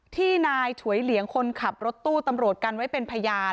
ที่นายฉวยเหลียงคนขับรถตู้ตำรวจกันไว้เป็นพยาน